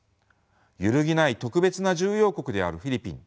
揺るぎない特別な重要国であるフィリピン。